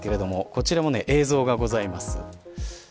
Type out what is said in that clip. こちらも映像がございます。